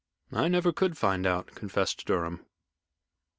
"I never could find out," confessed Durham.